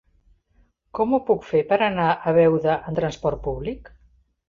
Com ho puc fer per anar a Beuda amb trasport públic?